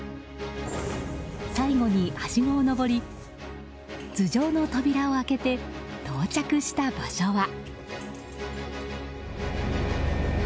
最後に、はしごを上り頭上の扉を開けて到着した場所は。